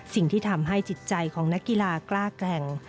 สิ่งที่ทำให้จิตใจของนักกีฬากล้าแกร่ง